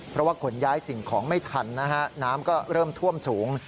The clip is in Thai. เพราะว่าขนย้ายสิ่งของไม่ทันนะฮะน้ำก็เริ่มท่วมสูง